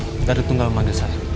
ada apa ada tertunggal memang